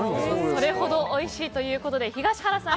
それほどおいしいということで東原さん